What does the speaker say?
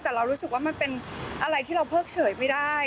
แต่เรารู้สึกว่ามันเป็นอะไรที่เราเพิกเฉยไม่ได้